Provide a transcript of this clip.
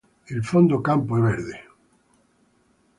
Il fondo campo è verde.